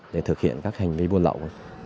để thực hiện các hành vi buôn lậu